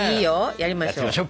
やりましょう。